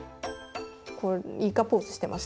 これイカポーズしてます。